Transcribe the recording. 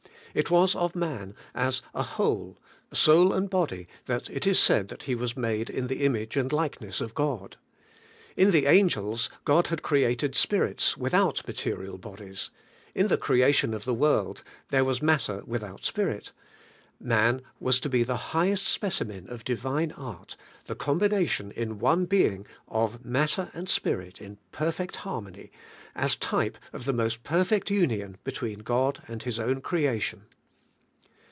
It was of man as a whole, soul and body, that it is said that he was made in the image and likeness of God. In the angels, God had created spirits without material bodies; in the creation of the world, there was matter without spirit. Man was to be the high est specimen of Divine art: the combination in one being, of matter and spirit in perfect harmony, as type of the most perfect union between God and His own creation.